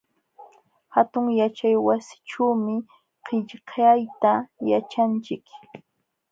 Hatun yaćhaywasićhuumi qillqayta yaćhanchik.